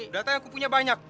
data yang kupunya banyak